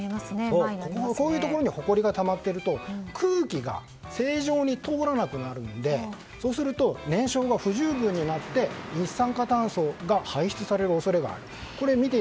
こういうところにほこりがたまっていると空気が正常に通らなくなるのでそうすると、燃焼が不十分になって一酸化炭素が排出される恐れがある。